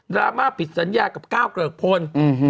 ราม่าผิดสัญญากับก้าวเกริกพล